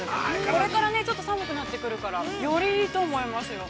これからねちょっと寒くなってくるからよりいいと思いますよ。